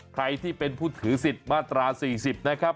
ใครที่เป็นผู้ถือสิทธิ์มาตรา๔๐นะครับ